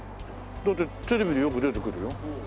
だってテレビでよく出てくるよ。